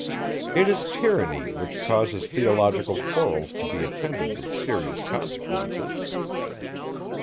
It is tyranny which causes theological quarrels to be attended with serious consequences.